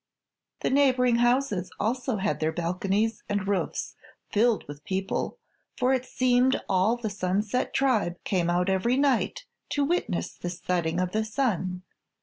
The neighboring houses also had their balconies and roofs filled with people, for it seemed all the Sunset Tribe came out every night to witness the setting of the sun.